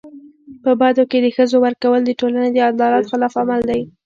په بدو کي د ښځو ورکول د ټولني د عدالت خلاف عمل دی.